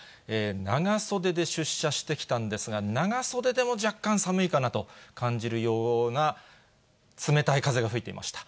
長袖で出社してきたんですが、長袖でも若干寒いかなと感じるような冷たい風が吹いていました。